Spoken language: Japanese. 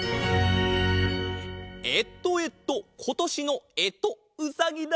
えっとえっとことしのえとうさぎだ！